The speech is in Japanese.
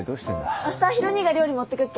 あしたヒロ兄が料理持ってくっけん。